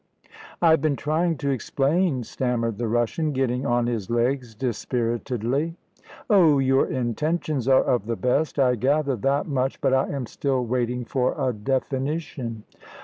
"I have been trying to explain," stammered the Russian, getting on his legs dispiritedly. "Oh, your intentions are of the best. I gather that much; but I am still waiting for a definition."